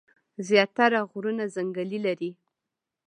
زيات تره غرونه ځنګلې لري ـ